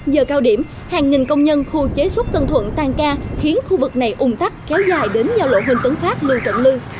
giờ cao điểm hàng nghìn công nhân khu chế xuất tân thuận tan ca khiến khu vực này ủng tắc kéo dài đến giao lộ huỳnh tấn pháp lưu trận lư